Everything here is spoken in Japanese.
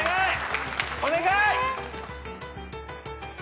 お願い！